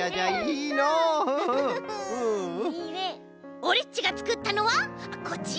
オレっちがつくったのはこちら！